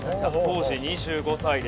当時２５歳です。